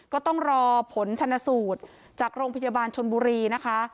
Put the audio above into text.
ก็ต้องรอผลชนสูตรจากโรงพยาบาลชนบุรีนะคะ